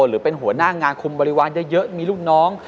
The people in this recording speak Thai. หรือเป็นหัวหน้างานคุมบริวารเยอะมีลูกน้อง